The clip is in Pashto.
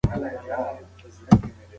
شرم د درملنې خنډ دی.